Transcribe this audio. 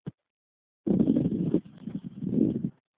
خشنه ژبه تاوتريخوالی راولي.